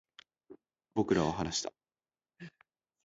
僕らは話した